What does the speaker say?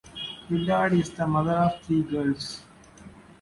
Billard is the mother of three girls.